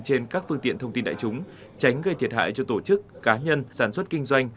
trên các phương tiện thông tin đại chúng tránh gây thiệt hại cho tổ chức cá nhân sản xuất kinh doanh